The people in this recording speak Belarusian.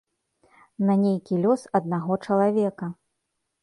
На нейкі лёс аднаго чалавека.